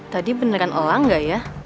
tadi beneran elangga ya